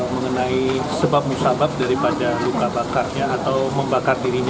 mengenai sebab musabab daripada luka bakarnya